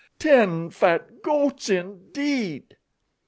Ten fat goats, indeed!"